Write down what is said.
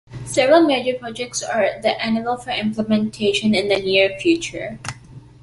Several major projects are on the anvil for implementation in the near future.